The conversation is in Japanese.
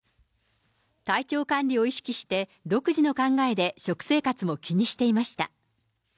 体調管理を意識して、独自の考えで食生活も気にしていました。